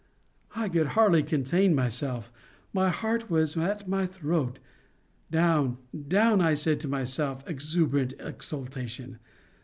I could hardly contain myself. My heart was at my throat. Down, down, said I to myself, exuberant exultation!